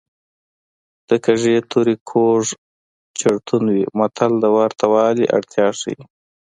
د کږې تورې کوږ چړتون وي متل د ورته والي اړتیا ښيي